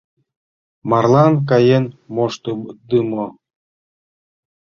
Марлан каен моштыдымо